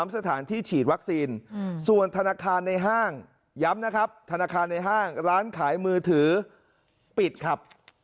สถานที่ฉีดวัคซีนส่วนธนาคารในห้างย้ำนะครับธนาคารในห้างร้านขายมือถือปิดครับ